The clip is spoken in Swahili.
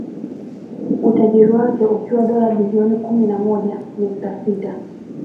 Utajiri wake ukiwa dola bilioni kumi na moja nukta sita